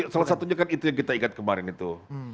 salah satunya kan itu yang kita ingat kemarin itu